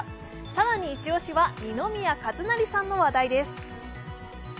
更にイチ押しは二宮和也さんの話題です。